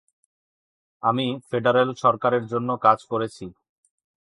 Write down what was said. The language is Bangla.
আমি ফেডারেল সরকারের জন্য কাজ করেছি।